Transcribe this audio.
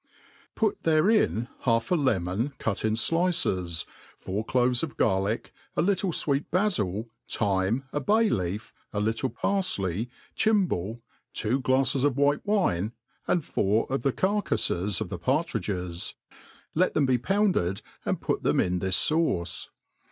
Put therein half a lemon cut in flices, four cloves of garlic, a little fweet baiil, thyme, a bay leaf, a little parfley, chimbol, two glafles of white wine, and four of the carcailes of the pArtrtdges ; let thetu be pounded, an%^ put them in this fi^uce.